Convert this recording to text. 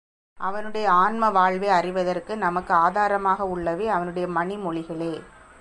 அவனுடைய ஆன்ம வாழ்வை அறிவதற்கு நமக்கு ஆதாரமாக உள்ளவை அவனுடைய மணிமொழிகளே.